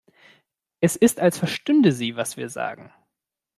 Es ist, als verstünde sie, was wir sagen.